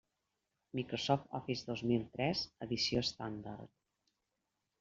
Microsoft Office dos mil tres, edició estàndard.